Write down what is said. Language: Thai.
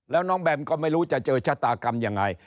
แล้วน้องแบมก็ไม่รู้จะเจอชะตากรรมยังไง